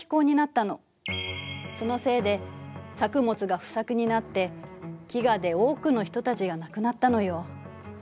そのせいで作物が不作になって飢餓で多くの人たちが亡くなったのよ。